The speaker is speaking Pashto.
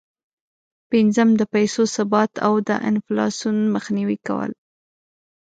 پنځم: د پیسو ثبات او د انفلاسون مخنیوی کول.